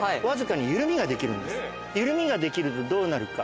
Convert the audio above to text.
緩みができるとどうなるか。